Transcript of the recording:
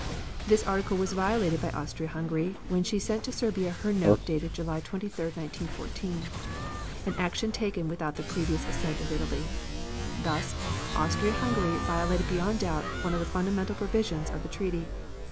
This article was violated by Austria Hungary, when she sent to Serbia her note dated July 23, 1914, an action taken without the previous assent of Italy. Thus, Austria Hungary violated beyond doubt one of the fundamental provisions of the treaty.